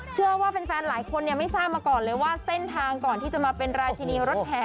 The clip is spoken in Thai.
เชื่อว่าแฟนหลายคนไม่ทราบมาก่อนเลยว่าเส้นทางก่อนที่จะมาเป็นราชินีรถแห่